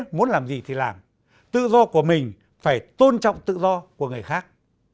nhưng muốn làm gì thì làm tự do của mình phải tôn trọng tự do của người khác